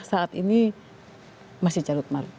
saat ini masih carut marut